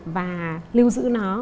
và lưu giữ nó